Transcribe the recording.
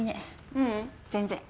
ううん全然。